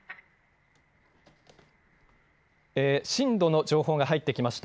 震度の情報が入ってきました。